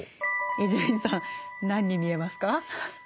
伊集院さん何に見えますか？